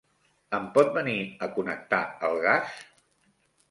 Em pot venir a connectar el gas?